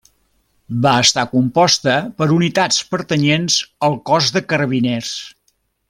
Va estar composta per unitats pertanyents al Cos de Carabiners.